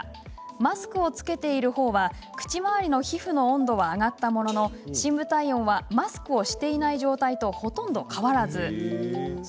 マスクを着けているほうは口周りの皮膚の温度は上がったものの深部体温はマスクをしていない状態とほとんど変わらず。